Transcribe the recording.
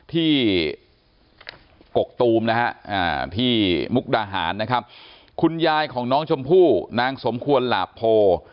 กกตูมนะฮะที่มุกดาหารนะครับคุณยายของน้องชมพู่นางสมควรหลาบโพ